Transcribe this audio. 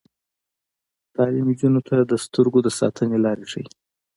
تعلیم نجونو ته د سترګو د ساتنې لارې ښيي.